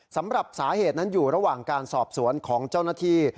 สำหรับสาเหตุนั้นอยู่ระหว่างการสอบสวนของเจ้าหน้าที่